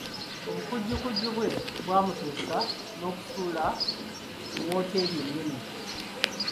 Obukujjukujju bwe bwamutuusa n'okusula mu wooteri ennene.